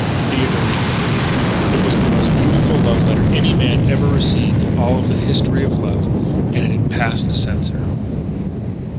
"THEODORICA." It was the most beautiful love letter any man ever received in all the history of love. And it had passed the censor.